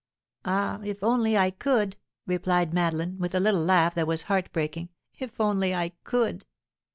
"Ah, if only I could!" replied Madeline, with a little laugh that was heart breaking. "If only I could!"